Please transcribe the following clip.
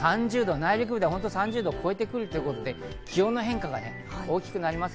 内陸部では３０度を超えてくるということで、気温の変化が大きくなります。